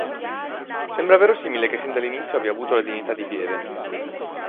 Sembra verosimile che sin dall'inizio abbia avuto la dignità di pieve.